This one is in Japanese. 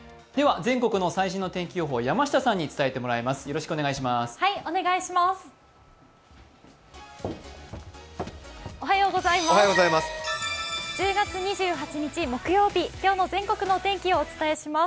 全国の最新の天気予報は山下さんに伝えてもらいます。